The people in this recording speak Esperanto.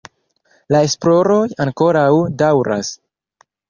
La esploroj ankoraŭ daŭras.